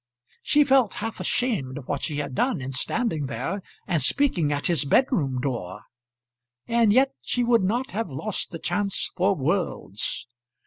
She felt half ashamed of what she had done in standing there and speaking at his bedroom door, and yet she would not have lost the chance for worlds.